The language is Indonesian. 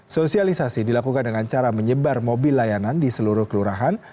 sosialisasi dilakukan dengan cara menyebar mobil layanan di seluruh kelurahan